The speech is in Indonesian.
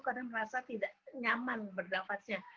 karena merasa tidak nyaman berdampaknya